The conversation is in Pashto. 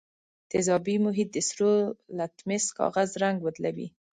تیزابي محیط د سرو لتمس کاغذ رنګ بدلوي.